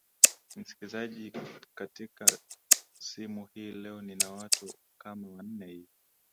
msikizaji katika simu hii leo nina watu kama wanne hivi